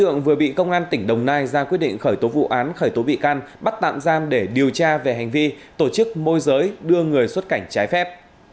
hiện cơ quan cảnh sát điều tra công an thành phố quy nhơn của tỉnh bình định ra quyết định khởi tố vụ án khởi tố bị can bắt tạm giam để điều tra về hành vi tổ chức môi giới đưa người xuất cảnh trái phép